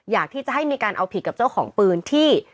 อยากที่จะให้มีการเอาผิดกับเจ้าของปืนที่